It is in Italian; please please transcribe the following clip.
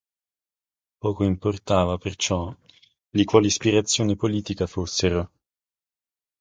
Poco importava, perciò, di quale ispirazione politica fossero.